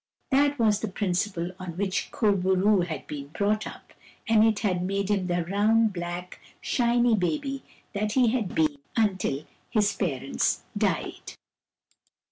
That was the prin ciple on which Kur bo roo had been brought up, and it had made him the round, black, shiny baby that he had been until his parents died.